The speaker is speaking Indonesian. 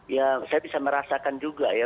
ya saya bisa merasakan juga ya